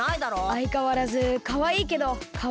あいかわらずかわいいけどかわいくないな。